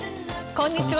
こんにちは。